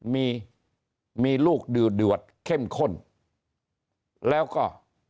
มีมีลูกดือเดือดเข้มข้นแล้วก็